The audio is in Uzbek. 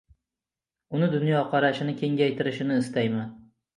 Uni dunyoqarashini kengaytirishini istayman.